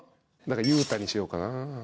雄太にしようかな。